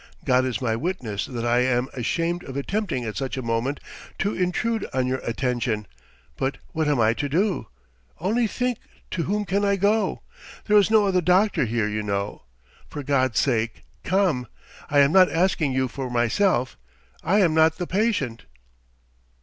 God is my witness that I am ashamed of attempting at such a moment to intrude on your attention, but what am I to do? Only think, to whom can I go? There is no other doctor here, you know. For God's sake come! I am not asking you for myself. ... I am not the patient!"